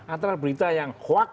antara berita yang huak